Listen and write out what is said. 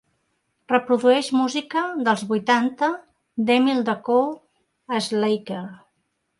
Reprodueix música dels vuitanta d'Emil De Cou a Slacker